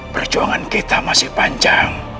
perjuangan kita masih panjang